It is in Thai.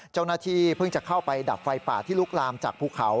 เจ้าหน้าที่เพิ่งจะเข้าไปดับไฟป่าที่ลุกลามจากภูเขา